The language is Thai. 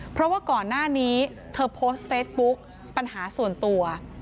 เพราะว่าก่อนหน้านี้เธอโพสต์เฟซบุ๊กปัญหาส่วนตัว